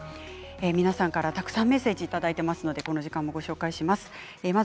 皆さんからたくさんメッセージいただいておりますのでご紹介します。